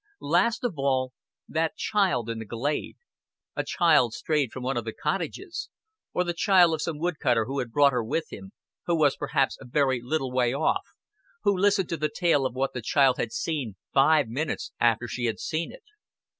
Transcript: Last of all, that child in the glade a child strayed from one of the cottages, or the child of some woodcutter who had brought her with him, who was perhaps a very little way off, who listened to the tale of what the child had seen five minutes after she had seen it.